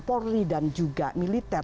polri dan juga militer